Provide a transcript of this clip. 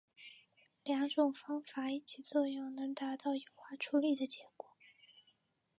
两种方法一起作用能达到优化处理的效果。